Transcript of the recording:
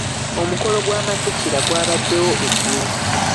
Omukolo gw'amatikkira gwabaddwo eggulo.